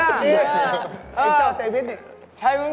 ไอ้เจ้าเตะพิษนึง